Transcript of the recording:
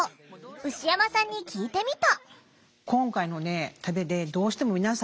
牛山さんに聞いてみた。